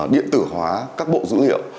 điện tử hóa các bộ dữ liệu